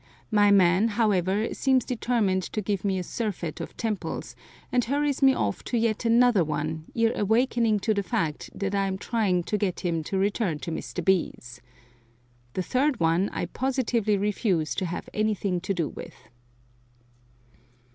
My man, however, seems determined to give me a surfeit of temples, and hurries me off to yet another one, ere awakening to the fact that I am trying to get him to return to Mr. B 's. The third one I positively refuse to have anything to do with.